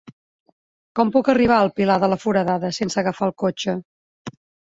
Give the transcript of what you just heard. Com puc arribar al Pilar de la Foradada sense agafar el cotxe?